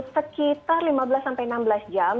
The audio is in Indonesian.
sekitar lima belas sampai enam belas jam